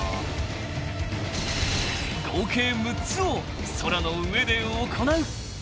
［合計６つを空の上で行う］